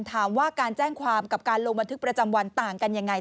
ถามว่าการแจ้งความกับการลงบันทึกประจำวันต่างกันยังไง